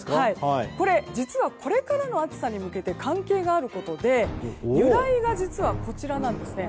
実はこれからの暑さに向けて関係があることで由来は、実はこちらなんですね。